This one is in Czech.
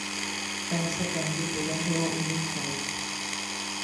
Té se tehdy podařilo uniknout.